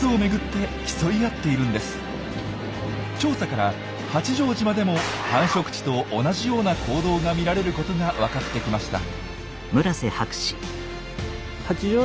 調査から八丈島でも繁殖地と同じような行動が見られることが分かってきました。